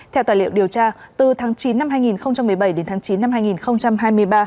theo tài liệu điều tra từ tháng chín năm hai nghìn một mươi bảy đến tháng chín năm hai nghìn hai mươi ba